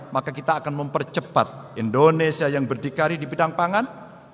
maka kita akan mempercepat indonesia yang berdikari di bidang pangan